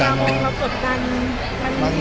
อย่างไรก็ได้หมด